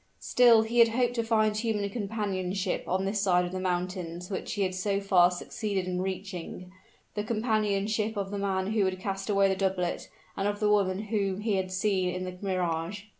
Still he had hoped to find human companionship on this side of the mountains which he had so far succeeded in reaching the companionship of the man who had cast away the doublet, and of the woman whom he had seen in the mirage.